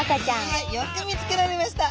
はいよく見つけられました。